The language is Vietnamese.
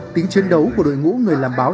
tính chiến đấu của đội ngũ người làm báo